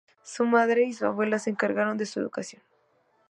Su madre y su abuela se encargaron de su educación.